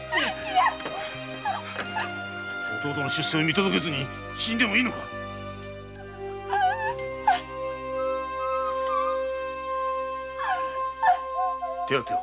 弟の出世を見届けずに死んでもいいのか⁉手当てを。